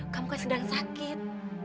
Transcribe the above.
kamu kan sedang sakit